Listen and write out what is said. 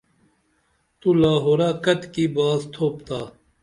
تو لاہورہ کتیکی باس تُھوپ تا؟